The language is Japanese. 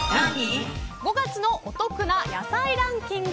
５月のお得な野菜ランキング